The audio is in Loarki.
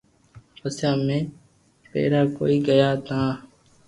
پسي امي ڀيراڪوئي گيا تا